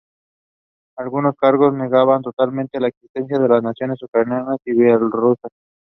Algunos cargos negaban totalmente la existencia de las naciones ucraniana y bielorrusa.